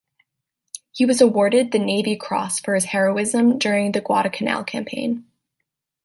He was awarded the Navy Cross for his heroism during the Guadalcanal campaign.